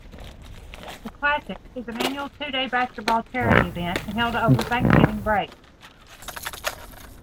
The Classic is an annual two-day basketball charity event held over Thanksgiving break.